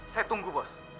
saya tunggu bos